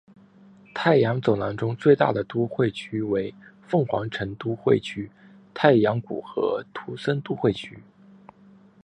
太阳走廊中最大的都会区为凤凰城都会区太阳谷和图森都会区。